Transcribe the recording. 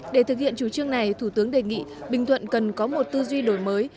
để thực hiện chủ trương này thủ tướng đề nghị bình thuận cần có một tư duy đổi mới